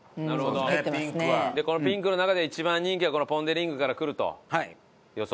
でこのピンクの中で一番人気はこのポン・デ・リングからくると予想？